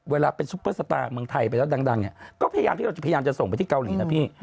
เวลาเป็นซุปเปอร์สตาร์เมืองไทยไปแล้วดังก็พยายามจะส่งไปที่เกาหลีนะพี่